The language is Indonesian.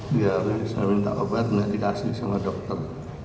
di hari ini saya minta obat tidak dikasih sama dokter